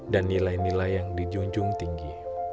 dan nilai nilai yang dijunjung tinggi